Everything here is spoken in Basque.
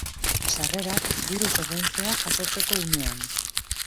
Sarrerak diruz ordaintzea jasotzeko unean.